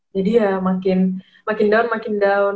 jadi ya makin down